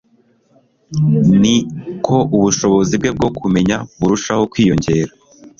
ni ko ubushobozi bwe bwo kumenya burushaho kwiyongera